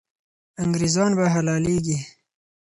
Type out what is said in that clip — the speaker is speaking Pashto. انګریزان به حلالېږي.